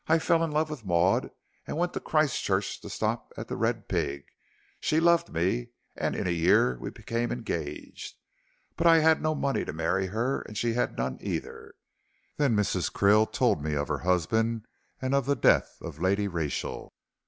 "I fell in love with Maud and went to Christchurch to stop at 'The Red Pig.' She loved me, and in a year we became engaged. But I had no money to marry her, and she had none either. Then Mrs. Krill told me of her husband and of the death of Lady Rachel."